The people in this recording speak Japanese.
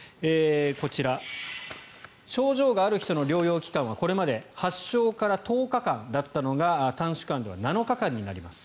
こちら、症状がある人の療養期間はこれまで発症から１０日間だったのが短縮案では７日間になります。